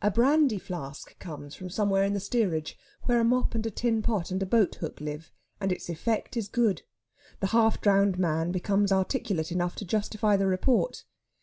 A brandy flask comes from somewhere in the steerage, where a mop and a tin pot and a boathook live, and its effect is good. The half drowned man becomes articulate enough to justify the report.